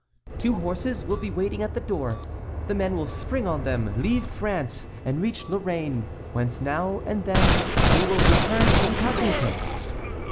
"Two horses will be waiting at the door; the men will spring on them, leave France, and reach Lorraine, whence now and then they will return incognito."